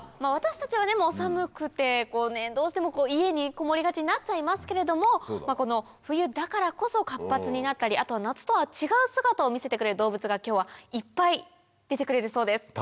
私たちは寒くてどうしても家にこもりがちになっちゃいますけれども冬だからこそ活発になったりあとは夏とは違う姿を見せてくれる動物が今日はいっぱい出てくれるそうです。